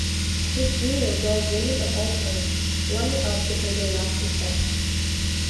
His funeral draws women of all kinds, lining up to pay their last respects.